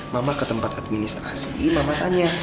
mama ke tempat administrasi mama tanya